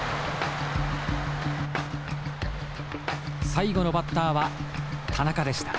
最後のバッターは田中でした。